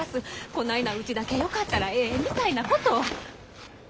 こないなうちだけよかったらええみたいなこと。